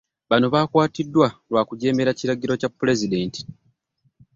Bano bakwatiddwa lwa kujeemera kiragiro kya pulezidenti.